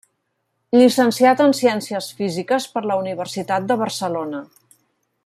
Llicenciat en Ciències Físiques per la Universitat de Barcelona.